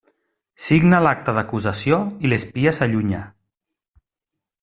Signa l'acta d'acusació i l'espia s'allunya.